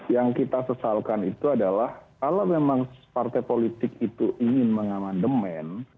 yang kita sesalkan itu adalah kalau memang partai politik itu ingin mengamandemen